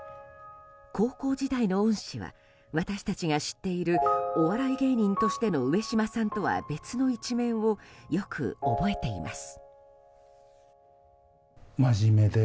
高校時代の恩師は私たちが知っているお笑い芸人としての上島さんとは別の一面をよく覚えています。